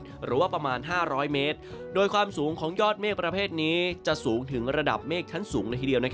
หรือว่าประมาณ๕๐๐เมตรโดยความสูงของยอดเมฆประเภทนี้จะสูงถึงระดับเมฆชั้นสูงเลยทีเดียว